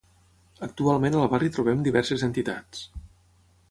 Actualment al barri trobem diverses entitats.